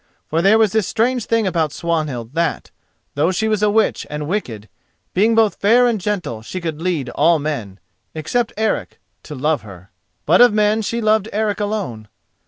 For there was this strange thing about Swanhild that, though she was a witch and wicked, being both fair and gentle she could lead all men, except Eric, to love her. But of men she loved Eric alone.